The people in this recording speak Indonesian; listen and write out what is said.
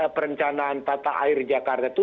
perencanaan tata air jakarta itu